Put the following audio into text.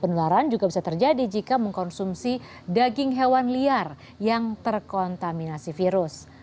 penularan juga bisa terjadi jika mengkonsumsi daging hewan liar yang terkontaminasi virus